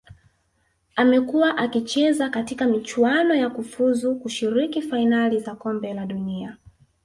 Amekua akicheza katika michuano ya kufuzu kushiriki fainali za kombe la dunia